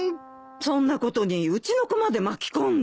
そんなことにうちの子まで巻き込んで。